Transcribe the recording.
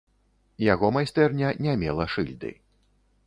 Яго майстэрня не мела шыльды.